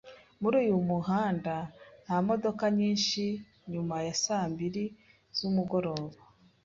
Muri uyu muhanda nta modoka nyinshi nyuma ya saa mbiri zmugoroba